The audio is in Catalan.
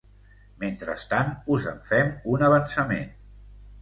Mentrestant, us en fem un avançament.